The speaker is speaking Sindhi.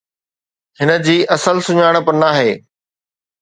هن جي اصل سڃاڻپ ناهي.